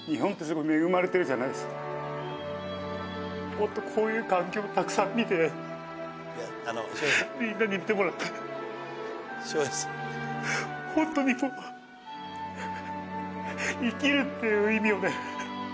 もっとこういう環境をたくさん見てみんなに見てもらってホントに生きるっていう意味をね